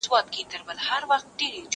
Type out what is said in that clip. زه لوښي نه وچوم!!